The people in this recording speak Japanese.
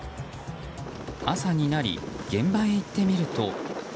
朝になり、現場へ行ってみると。